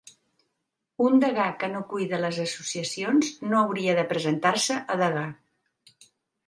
Un degà que no cuida les associacions no hauria de presentar-se a degà